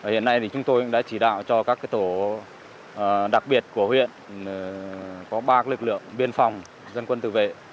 hiện nay chúng tôi cũng đã chỉ đạo cho các tổ đặc biệt của huyện có ba lực lượng biên phòng dân quân tự vệ